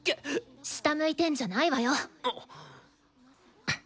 下向いてんじゃないわよ。